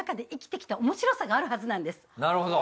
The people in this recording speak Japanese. なるほど。